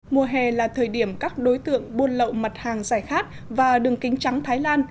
mùa hè là thời điểm các đối tượng buôn lậu mặt hàng giải khát và đường kính trắng thái lan